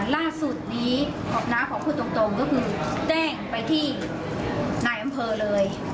ล่าสุดนี้น้าขอพูดตรงก็คือแจ้งไปที่นายอำเภอเลย